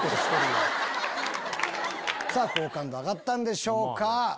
好感度上がったんでしょうか？